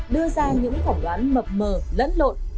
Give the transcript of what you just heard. đưa ra những khỏng đoán mập mờ lẫn lộn